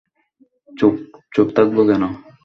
চুপ থাকব কেন?